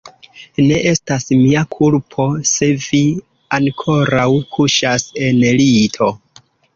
Ne estas mia kulpo, se vi ankoraŭ kuŝas en lito.